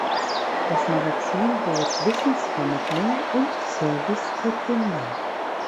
Das Magazin bot Wissensvermittlung und Service für Kinder.